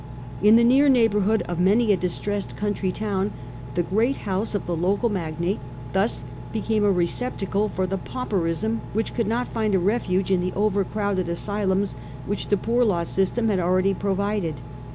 In the near neighbourhood of many a distressed coun try town the great house of the local magnate thus became a receptacle for the pauperism which could not find a refuge in the overcrowded asylums which the poor law system had already provided.